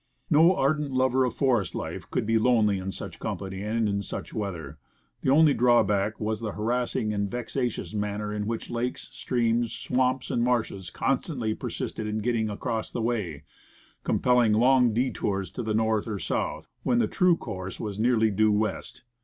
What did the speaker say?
No ardent lover of forest life could be lonely in such company, and in such weather. The only drawback was the harrassing and vexatious manner in which lakes, streams, swamps and marshes con stantly persisted in getting across the way, compelling long detours to the north or south, when the true course was nearly due west.